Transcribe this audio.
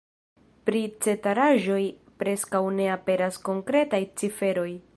Pri ceteraĵoj preskaŭ ne aperas konkretaj ciferoj.